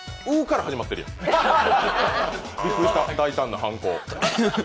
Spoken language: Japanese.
大胆な犯行。